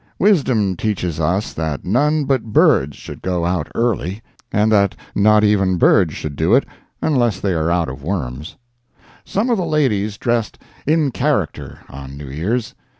Wisdom teaches us that none but birds should go out early, and that not even birds should do it unless they are out of worms. Some of the ladies dressed "in character" on New Year's.